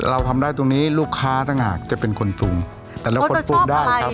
เราทำได้ตรงนี้ลูกค้าทั้งหากจะเป็นคนปรุงโอ้จะชอบอะไร